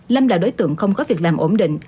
lâm là đối tượng không có việc làm ổn định